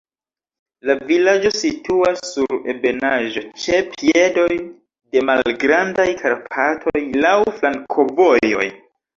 La vilaĝo situas sur ebenaĵo ĉe piedoj de Malgrandaj Karpatoj, laŭ flankovojoj.